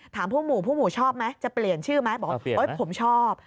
ผู้หมู่ผู้หมู่ชอบไหมจะเปลี่ยนชื่อไหมบอกว่าโอ๊ยผมชอบ